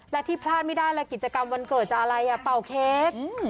และที่พลาดไม่ได้เลยกิจกรรมวันเกิดจากอะไรเป่าเค้ก